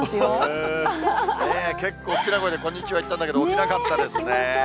結構、大きな声でこんにちは言ったんだけど、起きなかったですね。